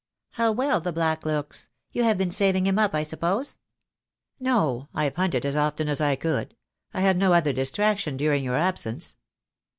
"How well the black looks! You have been saving him up, I suppose?" "No, I've hunted as often as I could. I had no other distraction during your absence."